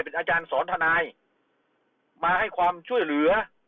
เป็นอาจารย์สอนทนายมาให้ความช่วยเหลือ